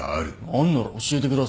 あんなら教えてくださいよ。